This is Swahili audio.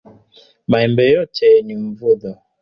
Maembe yote ni mvodho